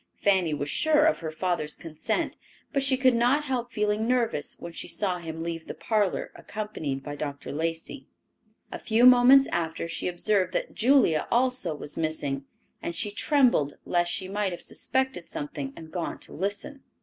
Fanny was sure of her father's consent, but she could not help feeling nervous when she saw him leave the parlor, accompanied by Dr. Lacey. A few moments after, she observed that Julia also was missing, and she trembled lest she might have suspected something and gone to listen.